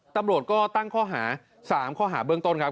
ตำรวจก็ตั้งข้อหา๓ข้อหาเบื้องต้นครับ